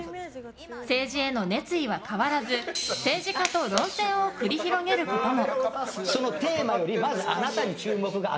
政治への熱意は変わらず政治家と論戦を繰り広げることも。